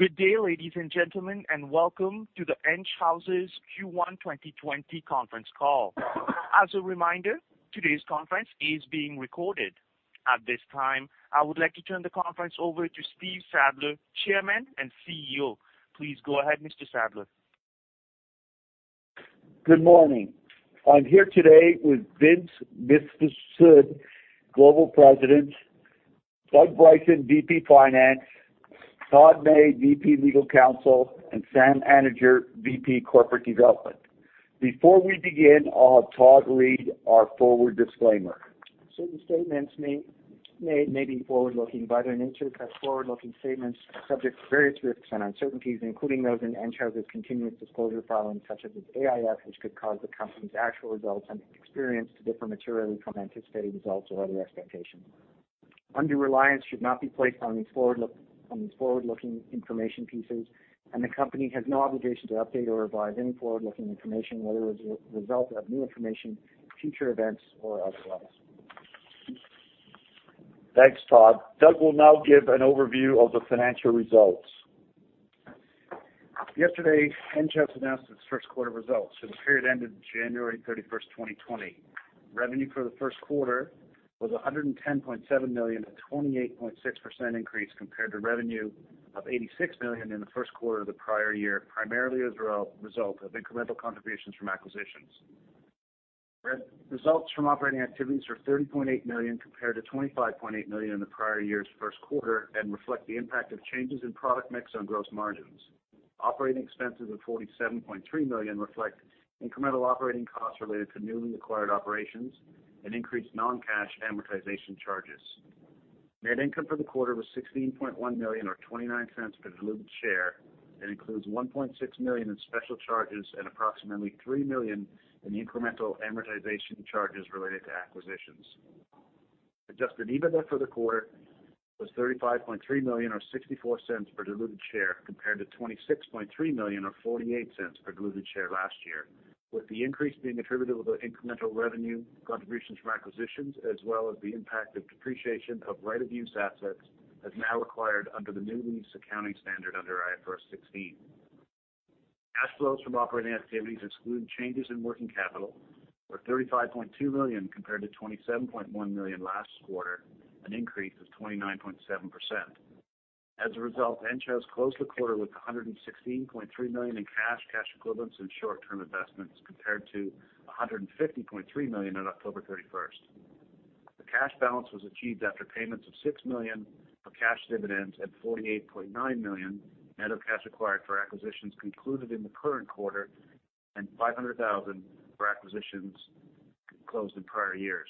Good day, ladies and gentlemen. Welcome to the Enghouse's Q1 2020 Conference Call. As a reminder, today's conference is being recorded. At this time, I would like to turn the conference over to Steve Sadler, Chairman and CEO. Please go ahead, Mr. Sadler. Good morning. I'm here today with Vince Mifsud, Global President, Doug Bryson, VP Finance, Todd May, VP General Counsel, and Sam Anidjar, VP Corporate Development. Before we begin, I'll have Todd read our forward disclaimer. Certain statements may be forward-looking, but Enghouse's forward-looking statements are subject to various risks and uncertainties, including those in Enghouse's continuous disclosure filings such as its AIF, which could cause the company's actual results and experience to differ materially from anticipated results or other expectations. Undue reliance should not be placed on these forward-looking information pieces, and the company has no obligation to update or revise any forward-looking information, whether as a result of new information, future events, or otherwise. Thanks, Todd. Doug will now give an overview of the financial results. Yesterday, Enghouse announced its first quarter results for the period ended January 31, 2020. Revenue for the first quarter was 110.7 million, a 28.6% increase compared to revenue of 86 million in the first quarter of the prior-year, primarily as a result of incremental contributions from acquisitions. Results from operating activities are 30.8 million compared to 25.8 million in the prior-year's first quarter and reflect the impact of changes in product mix on gross margins. Operating expenses of 47.3 million reflect incremental operating costs related to newly acquired operations and increased non-cash amortization charges. Net income for the quarter was 16.1 million, or 0.29 per diluted share. It includes 1.6 million in special charges and approximately 3 million in incremental amortization charges related to acquisitions. Adjusted EBITDA for the quarter was 35.3 million, or 0.64 per diluted share, compared to 26.3 million or 0.48 per diluted share last year, with the increase being attributable to incremental revenue contributions from acquisitions, as well as the impact of depreciation of right-of-use assets as now acquired under the new lease accounting standard under IFRS 16. Cash flows from operating activities excluding changes in working capital were 35.2 million compared to 27.1 million last quarter, an increase of 29.7%. As a result, Enghouse closed the quarter with 116.3 million in cash equivalents, and short-term investments compared to 150.3 million on October 31st. The cash balance was achieved after payments of 6 million of cash dividends and 48.9 million out of cash acquired for acquisitions concluded in the current quarter and 500,000 for acquisitions closed in prior-years.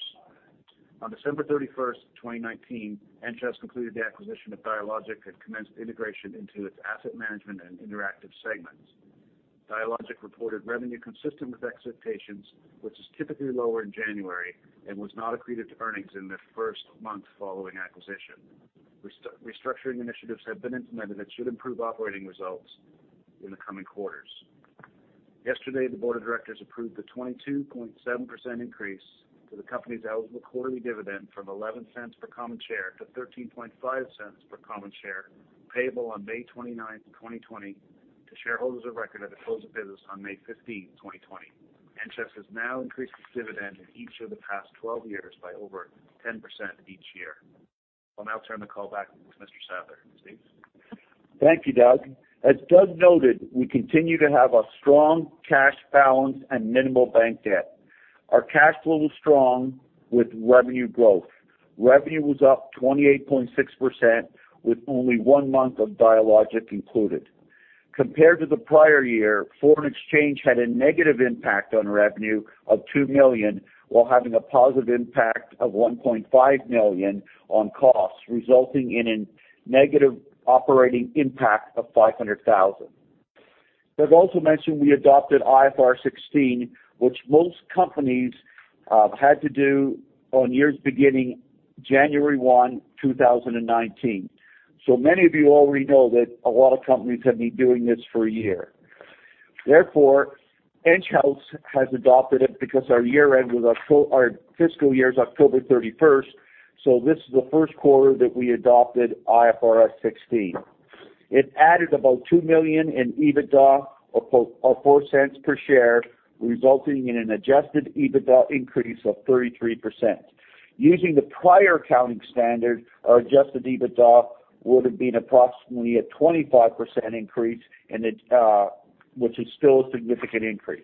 On December 31st, 2019, Enghouse concluded the acquisition of Dialogic and commenced integration into its asset management and interactive segments. Dialogic reported revenue consistent with expectations, which is typically lower in January and was not accreted to earnings in the first month following acquisition. Restructuring initiatives have been implemented that should improve operating results in the coming quarters. Yesterday, the Board of Directors approved the 22.7% increase to the company's eligible quarterly dividend from 0.11 per common share to 0.135 per common share, payable on May 29th, 2020, to shareholders of record at the close of business on May 15, 2020. Enghouse has now increased its dividend in each of the past 12 years by over 10% each year. I'll now turn the call back to Mr. Sadler. Steve? Thank you, Doug. As Doug noted, we continue to have a strong cash balance and minimal bank debt. Our cash flow was strong with revenue growth. Revenue was up 28.6% with only one month of Dialogic included. Compared to the prior-year, foreign exchange had a negative impact on revenue of 2 million while having a positive impact of 1.5 million on costs, resulting in a negative operating impact of 500,000. Doug also mentioned we adopted IFRS 16, which most companies had to do on years beginning January 1, 2019. Many of you already know that a lot of companies have been doing this for a year. Enghouse has adopted it because our fiscal year is October 31st, so this is the first quarter that we adopted IFRS 16. It added about 2 million in EBITDA of 0.04 per share, resulting in an adjusted EBITDA increase of 33%. Using the prior accounting standard, our adjusted EBITDA would have been approximately a 25% increase, which is still a significant increase.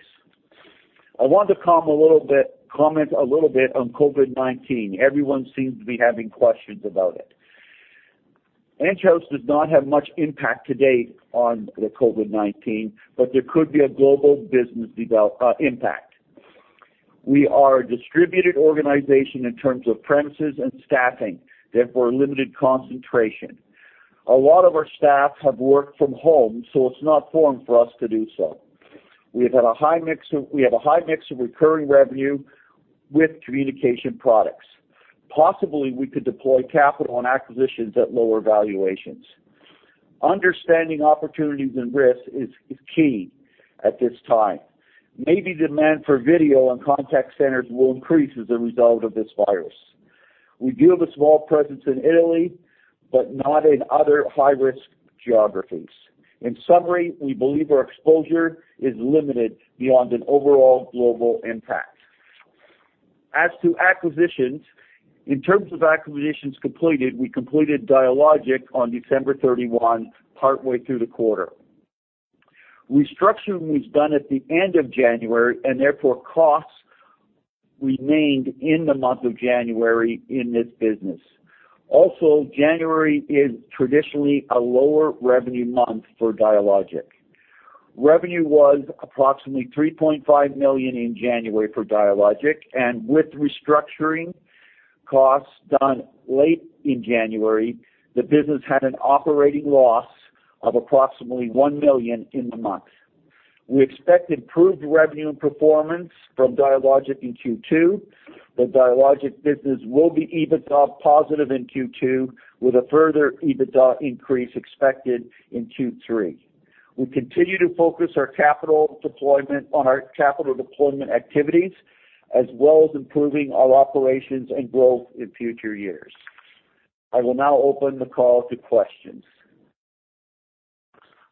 I want to comment a little bit on COVID-19. Everyone seems to be having questions about it. Enghouse does not have much impact to date on the COVID-19, but there could be a global business impact. We are a distributed organization in terms of premises and staffing, therefore limited concentration. A lot of our staff have worked from home, so it's not foreign for us to do so. We have a high mix of recurring revenue with communication products. Possibly, we could deploy capital and acquisitions at lower valuations. Understanding opportunities and risks is key at this time. Maybe demand for Vidyo and contact centers will increase as a result of this virus. We do have a small presence in Italy, but not in other high-risk geographies. In summary, we believe our exposure is limited beyond an overall global impact. As to acquisitions, in terms of acquisitions completed, we completed Dialogic on December 31, partway through the quarter. Restructuring was done at the end of January, and therefore costs remained in the month of January in this business. January is traditionally a lower revenue month for Dialogic. Revenue was approximately 3.5 million in January for Dialogic, and with restructuring costs done late in January, the business had an operating loss of approximately 1 million in the month. We expect improved revenue and performance from Dialogic in Q2. The Dialogic business will be EBITDA positive in Q2 with a further EBITDA increase expected in Q3. We continue to focus our capital deployment on our capital deployment activities, as well as improving our operations and growth in future years. I will now open the call to questions.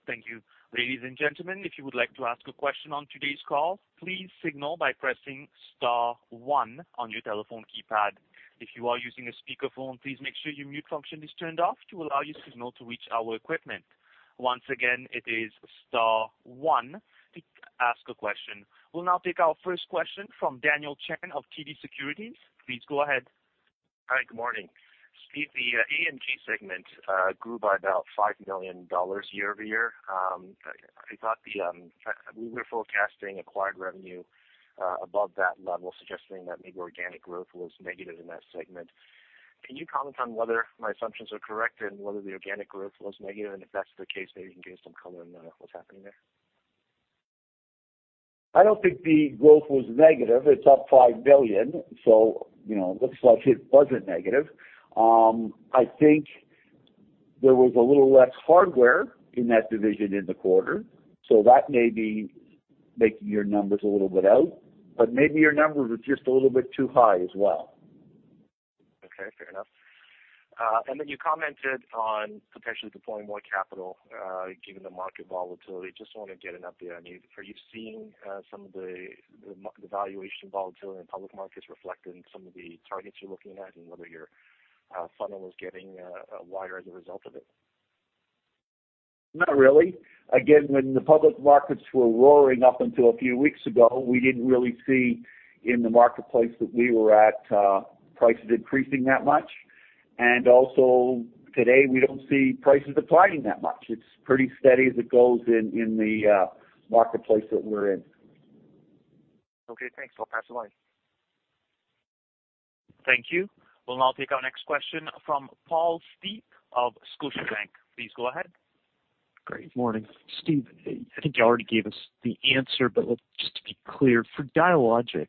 Thank you. Ladies and gentlemen, if you would like to ask a question on today's call, please signal by pressing star one on your telephone keypad. If you are using a speakerphone, please make sure your mute function is turned off to allow your signal to reach our equipment. Once again, it is star one to ask a question. We'll now take our first question from Daniel Chan of TD Securities. Please go ahead. Hi, good morning. Steve, the AMG segment grew by about 5 million dollars year-over-year. I thought we were forecasting acquired revenue above that level, suggesting that maybe organic growth was negative in that segment. Can you comment on whether my assumptions are correct and whether the organic growth was negative? If that's the case, maybe you can give some color on what's happening there. I don't think the growth was negative. It's up 5 million, so looks like it wasn't negative. I think there was a little less hardware in that division in the quarter, so that may be making your numbers a little bit out, but maybe your numbers are just a little bit too high as well. Okay, fair enough. You commented on potentially deploying more capital given the market volatility. Just want to get an update on you. Are you seeing some of the valuation volatility in public markets reflected in some of the targets you're looking at, and whether your funnel is getting wider as a result of it? Not really. Again, when the public markets were roaring up until a few weeks ago, we didn't really see in the marketplace that we were at prices increasing that much. Also today, we don't see prices declining that much. It's pretty steady as it goes in the marketplace that we're in. Okay, thanks. I'll pass the line. Thank you. We'll now take our next question from Paul Steep of Scotiabank. Please go ahead. Great. Morning. Steve, I think you already gave us the answer, but just to be clear, for Dialogic,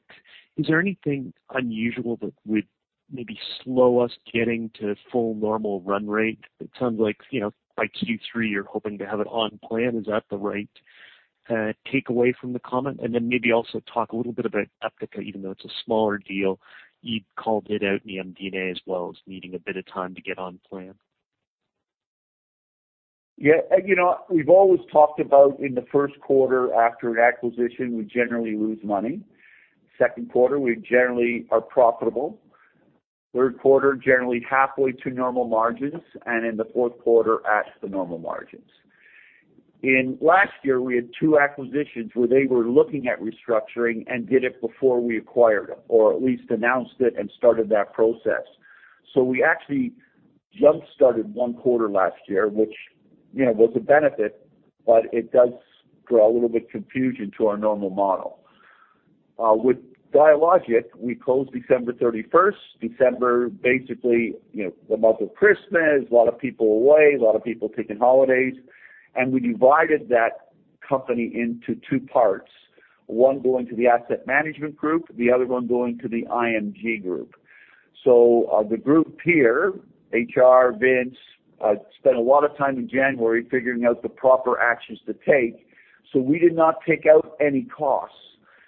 is there anything unusual that would maybe slow us getting to full normal run-rate? It sounds like by Q3, you're hoping to have it on plan. Is that the right takeaway from the comment? Maybe also talk a little bit about Eptica, even though it's a smaller deal. You'd called it out in the MD&A as well as needing a bit of time to get on plan. We've always talked about in the first quarter after an acquisition, we generally lose money. Second quarter, we generally are profitable. Third quarter, generally halfway to normal margins, and in the fourth quarter, at the normal margins. Last year, we had two acquisitions where they were looking at restructuring and did it before we acquired them, or at least announced it and started that process. We actually jump-started one quarter last year, which was a benefit, but it does throw a little bit confusion to our normal model. With Dialogic, we closed December 31st. December, basically the month of Christmas, a lot of people away, a lot of people taking holidays. We divided that company into two parts, one going to the Asset Management Group, the other one going to the IMG Group. The group here, HR, Vince, spent a lot of time in January figuring out the proper actions to take. We did not take out any costs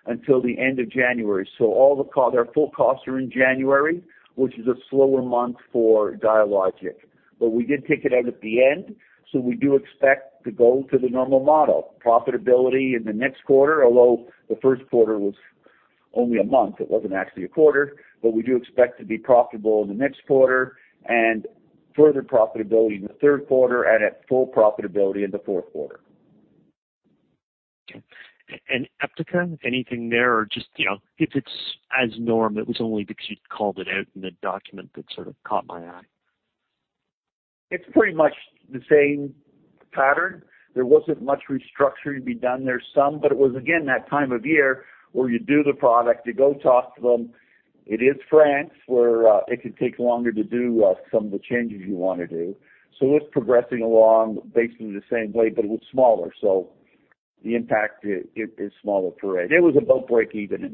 until the end of January. All their full costs are in January, which is a slower month for Dialogic. We did take it out at the end, so we do expect to go to the normal model. Profitability in the next quarter, although the first quarter was only a month, it wasn't actually a quarter, but we do expect to be profitable in the next quarter and further profitability in the third quarter and at full profitability in the fourth quarter. Okay. Eptica, anything there? Just if it is as norm, it was only because you had called it out in a document that sort of caught my eye. It's pretty much the same pattern. There wasn't much restructuring to be done there, some, but it was, again, that time of year where you do the product, you go talk to them. It is France, where it could take longer to do some of the changes you want to do. It's progressing along basically the same way, but it was smaller. The impact is smaller for [A]. It was about breakeven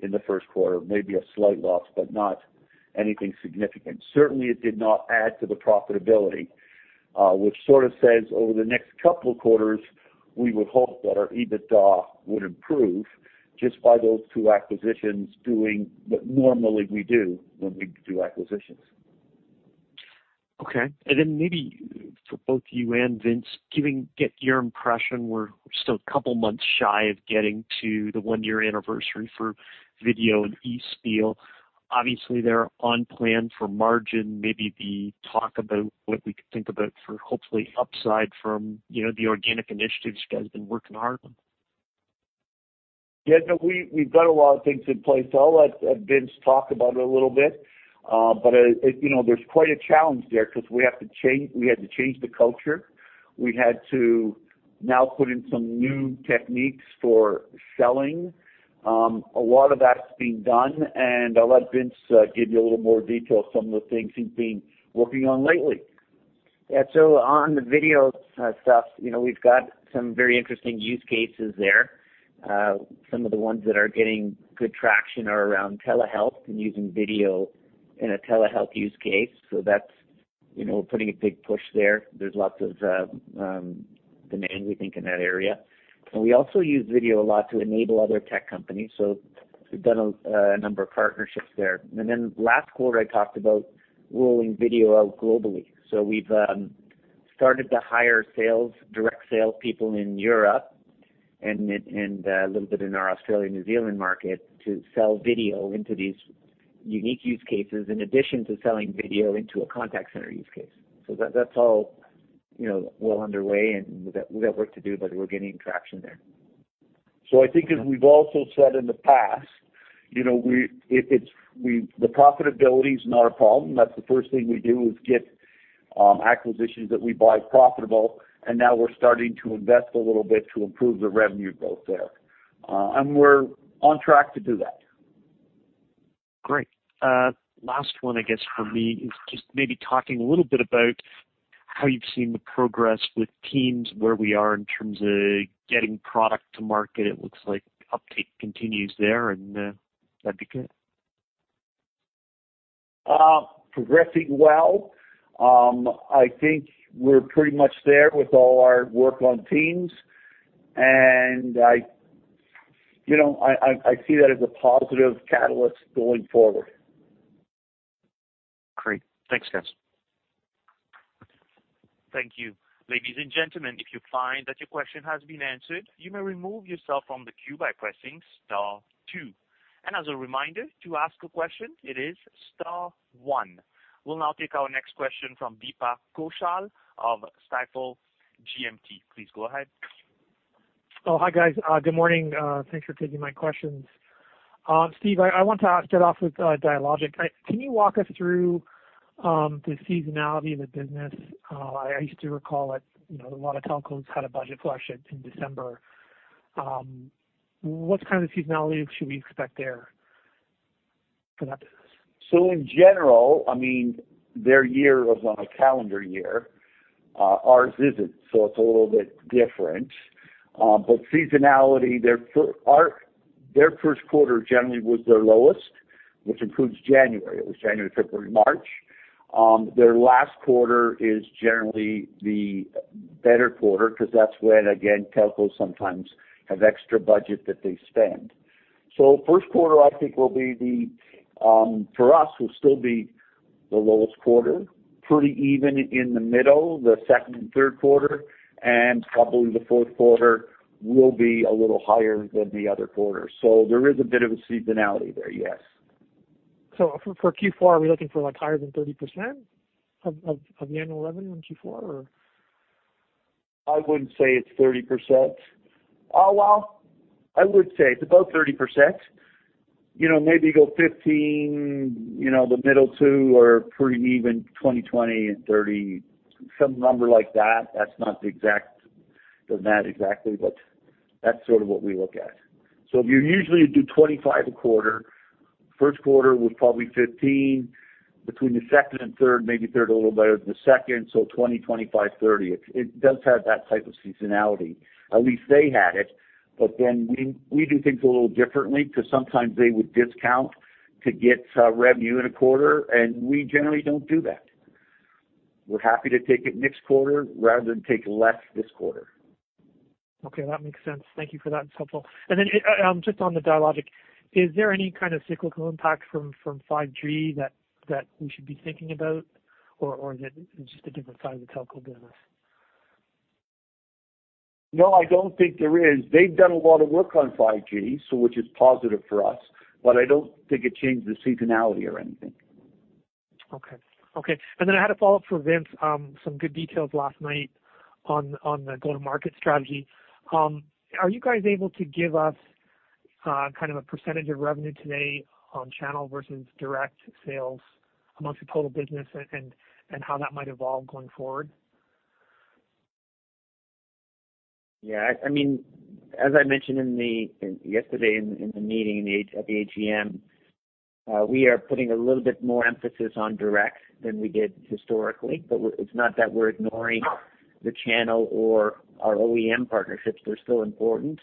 in the first quarter, maybe a slight loss, but not anything significant. Certainly, it did not add to the profitability, which sort of says over the next couple of quarters, we would hope that our EBITDA would improve just by those two acquisitions doing what normally we do when we do acquisitions. Okay. Maybe for both you and Vince, get your impression. We're still a couple of months shy of getting to the one-year anniversary for Vidyo and Espial. Obviously, they're on plan for margin, maybe the talk about what we could think about for hopefully upside from the organic initiatives you guys have been working hard on. Yeah. No, we've got a lot of things in place. I'll let Vince talk about it a little bit. There's quite a challenge there because we had to change the culture. We had to now put in some new techniques for selling. A lot of that's being done, and I'll let Vince give you a little more detail, some of the things he's been working on lately. On the Vidyo stuff, we've got some very interesting use cases there. Some of the ones that are getting good traction are around telehealth and using Vidyo in a telehealth use case, that's putting a big push there. There's lots of demand, we think, in that area. We also use Vidyo a lot to enable other tech companies, we've done a number of partnerships there. Last quarter, I talked about rolling Vidyo out globally. We've started to hire direct salespeople in Europe and a little bit in our Australia-New Zealand market to sell Vidyo into these unique use cases, in addition to selling Vidyo into a contact center use case. That's all well underway, and we've got work to do, but we're getting traction there. I think as we've also said in the past, the profitability is not a problem. That's the first thing we do, is get acquisitions that we buy profitable, and now we're starting to invest a little bit to improve the revenue growth there. We're on track to do that. Great. Last one, I guess, from me is just maybe talking a little bit about how you've seen the progress with Teams, where we are in terms of getting product to market. It looks like uptake continues there and that'd be good. Progressing well. I think we're pretty much there with all our work on Teams. I see that as a positive catalyst going forward. Great. Thanks, guys. Thank you. Ladies and gentlemen, if you find that your question has been answered, you may remove yourself from the queue by pressing star two. As a reminder, to ask a question, it is star one. We will now take our next question from Deepak Kaushal of Stifel GMP. Please go ahead. Oh, hi, guys. Good morning. Thanks for taking my questions. Steve, I want to start off with Dialogic. Can you walk us through the seasonality of the business? I used to recall it, a lot of telcos had a budget flush in December. What kind of seasonality should we expect there for that business? In general, their year was on a calendar year. Ours isn't, so it's a little bit different. But seasonality, their first quarter generally was their lowest, which includes January. It was January, February, March. Their last quarter is generally the better quarter because that's when, again, telcos sometimes have extra budget that they spend. First quarter, I think for us, will still be the lowest quarter. Pretty even in the middle, the second and third quarter, and probably the fourth quarter will be a little higher than the other quarters. There is a bit of a seasonality there, yes. For Q4, are we looking for higher than 30% of the annual revenue in Q4, or? I wouldn't say it's 30%. Well, I would say it's about 30%. Maybe go 15, the middle two are pretty even, 20-20 and 30, some number like that. That's not the math exactly, but that's sort of what we look at. If you usually do 25 a quarter, first quarter was probably 15. Between the second and third, maybe third a little better than the second, 20, 25, 30. It does have that type of seasonality. At least they had it. We do things a little differently because sometimes they would discount to get revenue in a quarter, and we generally don't do that. We're happy to take it next quarter rather than take less this quarter. Okay. That makes sense. Thank you for that. It's helpful. Just on the Dialogic, is there any kind of cyclical impact from 5G that we should be thinking about, or is it just a different side of the telco business? No, I don't think there is. They've done a lot of work on 5G, which is positive for us, but I don't think it changed the seasonality or anything. Okay. I had a follow-up for Vince. Some good details last night on the go-to-market strategy. Are you guys able to give us kind of a percentage of revenue today on channel versus direct sales amongst the total business and how that might evolve going forward? Yeah. As I mentioned yesterday in the meeting at the AGM, we are putting a little bit more emphasis on direct than we did historically. It's not that we're ignoring the channel or our OEM partnerships. They're still important.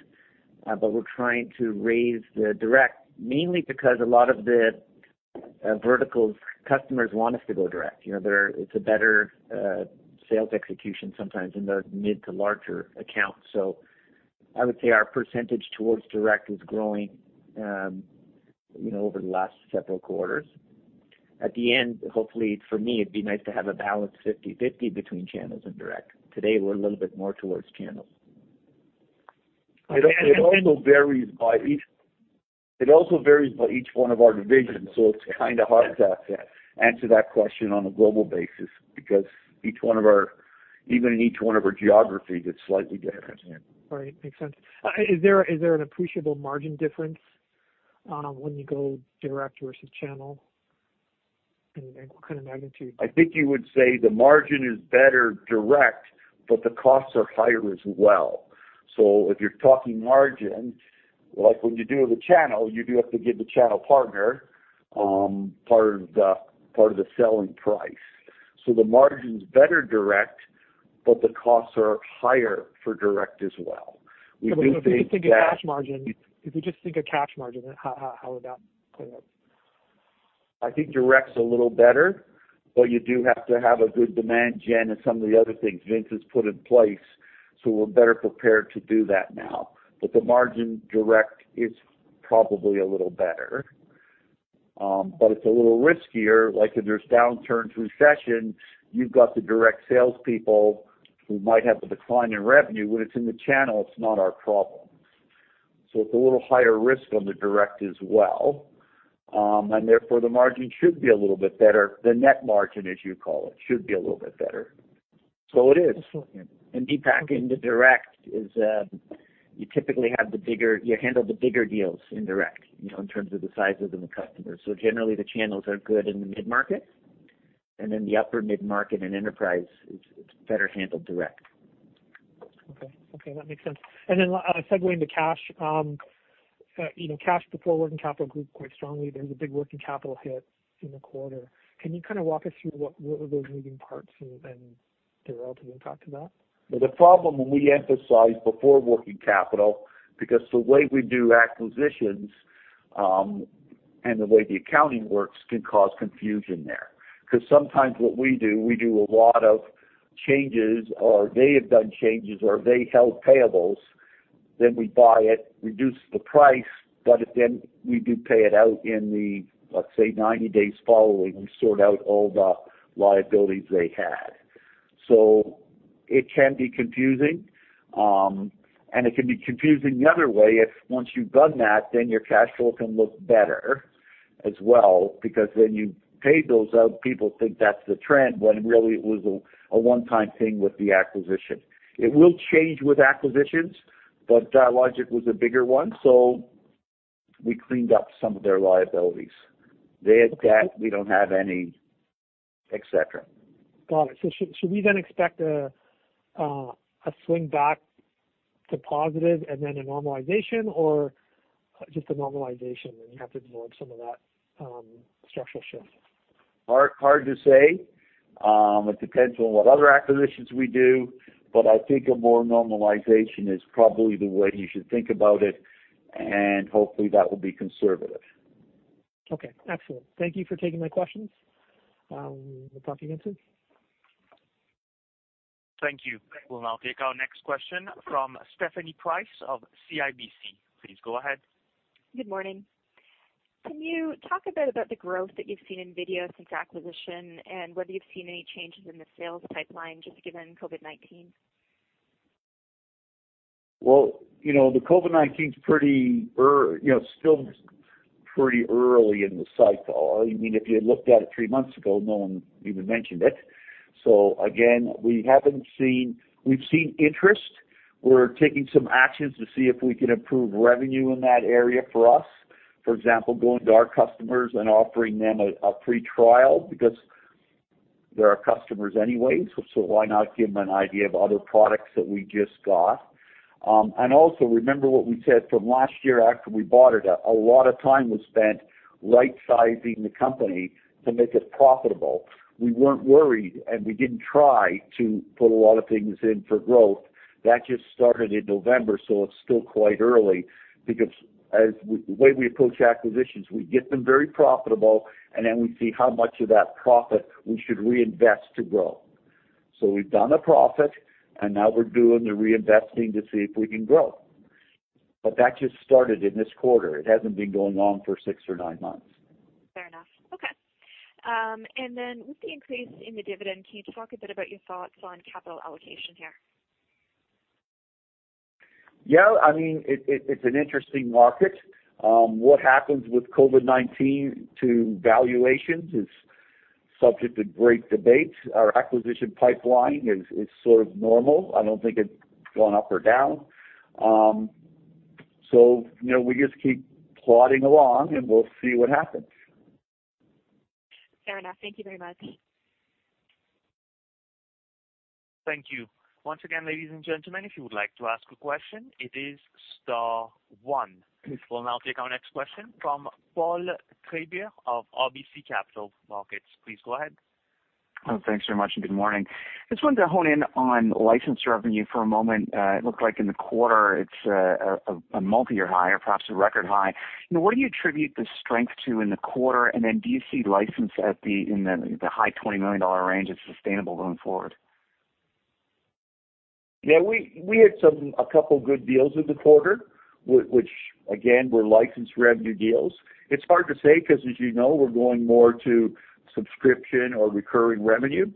We're trying to raise the direct, mainly because a lot of the vertical customers want us to go direct. It's a better sales execution sometimes in the mid to larger accounts. I would say our percentage towards direct is growing over the last several quarters. At the end, hopefully, for me, it'd be nice to have a balanced 50/50 between channels and direct. Today, we're a little bit more towards channels. It also varies by each one of our divisions, so it's kind of hard to answer that question on a global basis, because even in each one of our geographies, it's slightly different. Right. Makes sense. Is there an appreciable margin difference when you go direct versus channel? What kind of magnitude? I think you would say the margin is better direct, the costs are higher as well. If you're talking margin, like when you do the channel, you do have to give the channel partner part of the selling price. The margin's better direct, but the costs are higher for direct as well. We do think that. If you just think of cash margin, how would that play out? I think direct's a little better, but you do have to have a good demand gen and some of the other things Vince has put in place, so we're better prepared to do that now. The margin direct is probably a little better. It's a little riskier, like if there's downturn, recession, you've got the direct salespeople who might have a decline in revenue. When it's in the channel, it's not our problem. It's a little higher risk on the direct as well. Therefore, the margin should be a little bit better. The net margin, as you call it, should be a little bit better. It is. Deepak, in the direct, you typically handle the bigger deals in direct, in terms of the sizes of the customers. Generally, the channels are good in the mid-market, and then the upper mid-market and enterprise is better handled direct. Okay. That makes sense. Segue into cash. Cash before working capital grew quite strongly. There was a big working capital hit in the quarter. Can you kind of walk us through what were those moving parts and the relative impact of that? The problem, and we emphasize before working capital, because the way we do acquisitions, and the way the accounting works can cause confusion there. Sometimes what we do, we do a lot of changes, or they have done changes, or they held payables, then we buy it, reduce the price, but then we do pay it out in the, let's say, 90 days following. We sort out all the liabilities they had. It can be confusing, and it can be confusing the other way if once you've done that, then your cash flow can look better as well, because then you've paid those out. People think that's the trend when really it was a one-time thing with the acquisition. It will change with acquisitions, but Dialogic was a bigger one, so we cleaned up some of their liabilities. Their debt, we don't have any, et cetera. Got it. Should we then expect a swing back to positive and then a normalization, or just a normalization, and you have to absorb some of that structural shift? Hard to say. It depends on what other acquisitions we do, but I think a more normalization is probably the way you should think about it, and hopefully that will be conservative. Okay. Excellent. Thank you for taking my questions. We'll talk again soon. Thank you. We will now take our next question from Stephanie Price of CIBC. Please go ahead. Good morning. Can you talk a bit about the growth that you've seen in Vidyo since acquisition, and whether you've seen any changes in the sales pipeline, just given COVID-19? Well, the COVID-19's still pretty early in the cycle. If you had looked at it three months ago, no one even mentioned it. Again, we've seen interest. We're taking some actions to see if we can improve revenue in that area for us. For example, going to our customers and offering them a free trial because they're our customers anyway, so why not give them an idea of other products that we just got? Also, remember what we said from last year after we bought it, a lot of time was spent right-sizing the company to make it profitable. We weren't worried, and we didn't try to put a lot of things in for growth. That just started in November, so it's still quite early because the way we approach acquisitions, we get them very profitable, and then we see how much of that profit we should reinvest to grow. We've done a profit, and now we're doing the reinvesting to see if we can grow. That just started in this quarter. It hasn't been going on for six or nine months. Fair enough. Okay. With the increase in the dividend, can you talk a bit about your thoughts on capital allocation here? Yeah, it's an interesting market. What happens with COVID-19 to valuations is subject to great debate. Our acquisition pipeline is sort of normal. I don't think it's gone up or down. We just keep plodding along, and we'll see what happens. Fair enough. Thank you very much. Thank you. Once again, ladies and gentlemen, if you would like to ask a question, it is star one. We'll now take our next question from Paul Treiber of RBC Capital Markets. Please go ahead. Thanks very much. Good morning. Just wanted to hone in on license revenue for a moment. It looked like in the quarter it's a multi-year high or perhaps a record high. What do you attribute the strength to in the quarter? Do you see license in the high 20 million dollar range as sustainable going forward? Yeah, we had a couple good deals in the quarter, which again, were license revenue deals. It's hard to say because, as you know, we're going more to subscription or recurring revenue.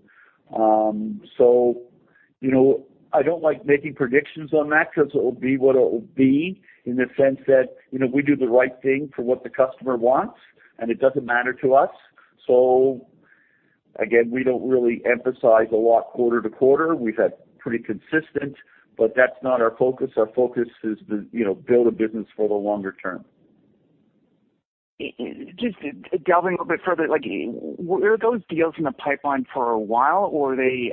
I don't like making predictions on that because it will be what it will be in the sense that we do the right thing for what the customer wants, and it doesn't matter to us. Again, we don't really emphasize a lot quarter-to-quarter. We've had pretty consistent, but that's not our focus. Our focus is to build a business for the longer-term. Just delving a little bit further, were those deals in the pipeline for a while, or were they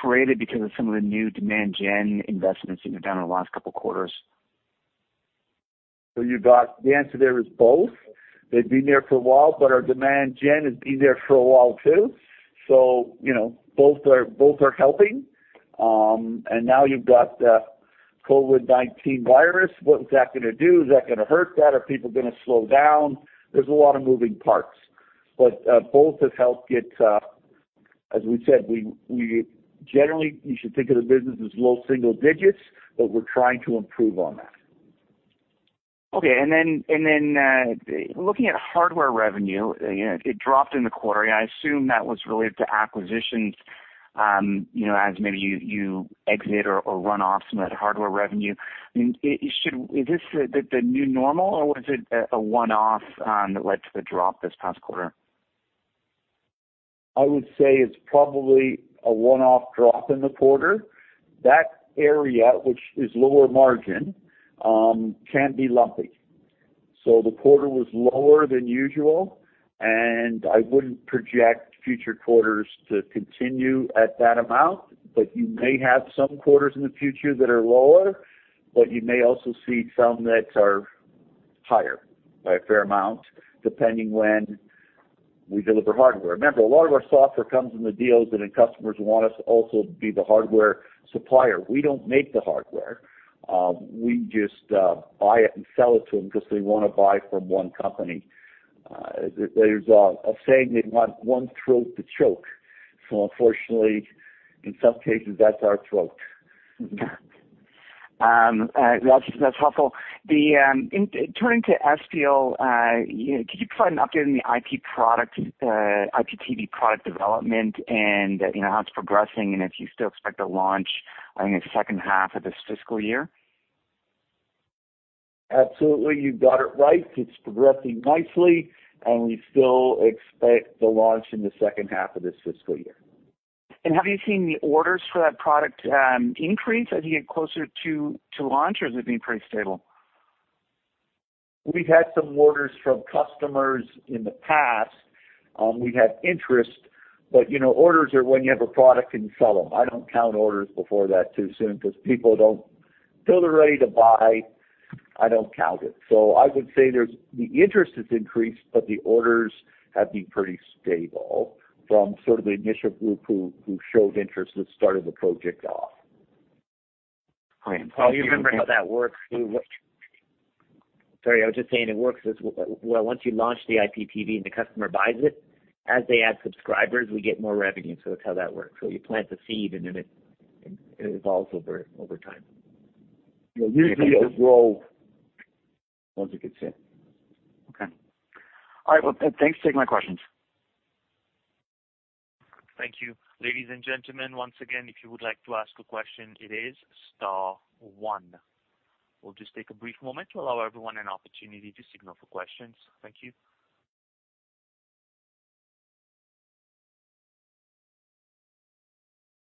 created because of some of the new demand gen investments you've done in the last couple quarters? You've got the answer there is both. They'd been there for a while, but our demand gen has been there for a while, too. Both are helping. Now you've got the COVID-19 virus. What is that going to do? Is that going to hurt that? Are people going to slow down? There's a lot of moving parts, but both have helped get, as we said, generally you should think of the business as low-single-digits, but we're trying to improve on that. Okay, looking at hardware revenue, it dropped in the quarter. I assume that was related to acquisitions as maybe you exit or run off some of that hardware revenue. Is this the new normal or was it a one-off that led to the drop this past quarter? I would say it's probably a one-off drop in the quarter. That area, which is lower margin, can be lumpy. The quarter was lower than usual, and I wouldn't project future quarters to continue at that amount. You may have some quarters in the future that are lower, but you may also see some that are higher by a fair amount, depending when we deliver hardware. Remember, a lot of our software comes in the deals, and then customers want us to also be the hardware supplier. We don't make the hardware. We just buy it and sell it to them because they want to buy from one company. There's a saying, they want one throat to choke. Unfortunately, in some cases, that's our throat. That's helpful. Turning to Espial, could you provide an update on the IPTV product development and how it's progressing and if you still expect to launch in the second half of this fiscal year? Absolutely. You got it right. It's progressing nicely, and we still expect the launch in the second half of this fiscal year. Have you seen the orders for that product increase as you get closer to launch, or has it been pretty stable? We've had some orders from customers in the past. We've had interest. Orders are when you have a product and you sell them. I don't count orders before that too soon because people don't till they're ready to buy, I don't count it. I would say the interest has increased. The orders have been pretty stable from sort of the initial group who showed interest that started the project off. Great. Paul, you remember how that works? Sorry, I was just saying it works as well. Once you launch the IPTV and the customer buys it, as they add subscribers, we get more revenue. That's how that works. You plant the seed and then it evolves over time. Yeah, usually it'll grow once it gets in. Okay. All right, well, thanks. Take my questions. Thank you. Ladies and gentlemen, once again, if you would like to ask a question, it is star one. We'll just take a brief moment to allow everyone an opportunity to signal for questions. Thank you.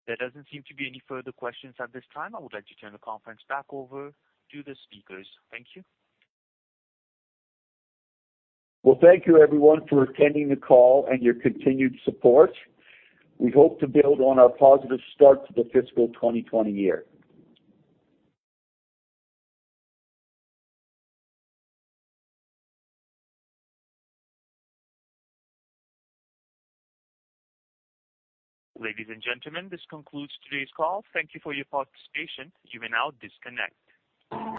There doesn't seem to be any further questions at this time. I would like to turn the conference back over to the speakers. Thank you. Well, thank you everyone for attending the call and your continued support. We hope to build on our positive start to the fiscal 2020 year. Ladies and gentlemen, this concludes today's call. Thank you for your participation. You may now disconnect.